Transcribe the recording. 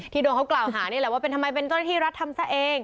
โดนเขากล่าวหานี่แหละว่าเป็นทำไมเป็นเจ้าหน้าที่รัฐทำซะเอง